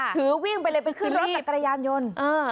วิ่งไปเลยไปขึ้นรถจักรยานยนต์